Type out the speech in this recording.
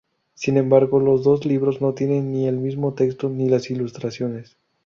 Sin embargo, los dos libros no tienen ni el mismo texto ni las ilustraciones.